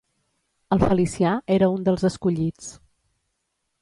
El Felicià era un dels escollits.